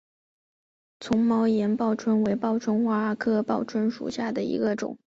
丛毛岩报春为报春花科报春花属下的一个种。